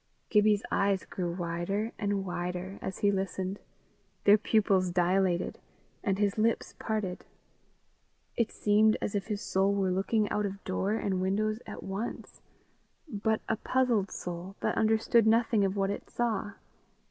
Gibbie's eyes grew wider and wider as he listened; their pupils dilated, and his lips parted: it seemed as if his soul were looking out of door and windows at once but a puzzled soul that understood nothing of what it saw.